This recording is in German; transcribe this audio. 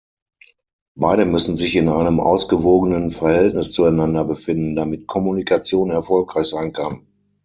Beide müssen sich in einem ausgewogenen Verhältnis zueinander befinden, damit Kommunikation erfolgreich sein kann.